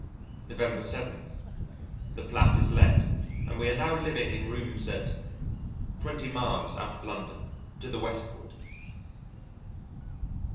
November 7. The flat is let and we are now living in rooms at , 20 miles out of London, to the Westward.